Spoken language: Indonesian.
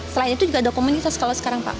selain itu juga ada komunitas kalau sekarang pak